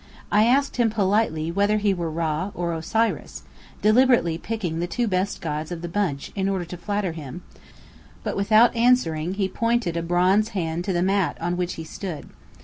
I asked him politely whether he were Rã or Osiris, deliberately picking the two best gods of the bunch in order to flatter him; but without answering, he pointed a bronze hand to the mat on which he stood.